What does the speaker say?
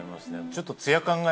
ちょっと。